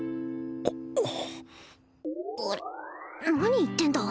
あれ何言ってんだ